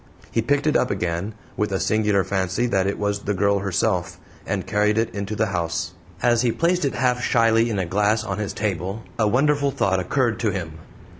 He picked it up again, with a singular fancy that it was the girl herself, and carried it into the house. As he placed it half shyly in a glass on his table a wonderful thought occurred to him.